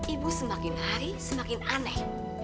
ibu semakin hari semakin aneh